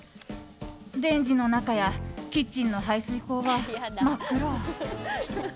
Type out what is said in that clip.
レンジの中やキッチンの排水溝は真っ黒。